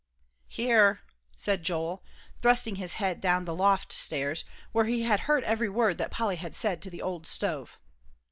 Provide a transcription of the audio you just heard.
"Here," said Joel, thrusting his head down the loft stairs, where he had heard every word that Polly had said to the old stove.